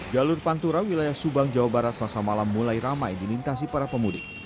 jalur pantura wilayah subang jawa barat selasa malam mulai ramai dilintasi para pemudik